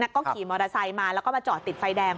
ก็ขี่มอเตอร์ไซค์มาแล้วก็มาจอดติดไฟแดง